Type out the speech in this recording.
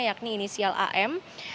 yakni inisial am